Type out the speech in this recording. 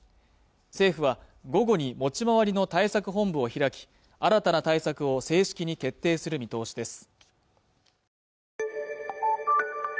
政府は午後に持ち回りの対策本部を開き新たな対策を正式に決定する見通しです